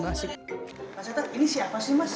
mas eta ini siapa sih mas